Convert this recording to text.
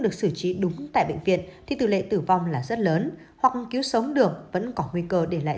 được xử trí đúng tại bệnh viện thì tỷ lệ tử vong là rất lớn hoặc cứu sống được vẫn có nguy cơ để lại